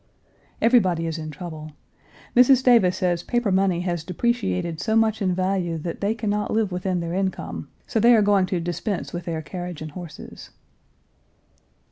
Everybody is in trouble. Mrs. Davis says paper money has depreciated so much in value that they can not live within their income; so they are going to dispense with their carriage and horses.